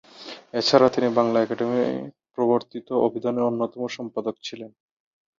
এছাড়া তিনি বাংলা একাডেমি প্রবর্তিত অভিধানের অন্যতম সম্পাদক ছিলেন।